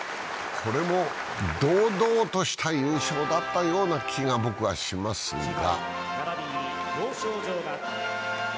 これも堂々とした優勝だったような気がしますが。